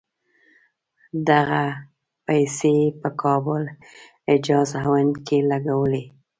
دغه پیسې یې په کابل، حجاز او هند کې لګولې.